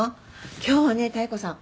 今日はね妙子さん